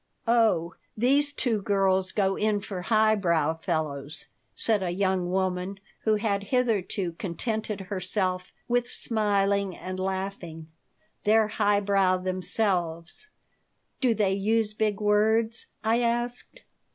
"Oh, these two girls go in for highbrow fellows," said a young woman who had hitherto contented herself with smiling and laughing. "They're highbrow themselves." "Do they use big words?" I asked.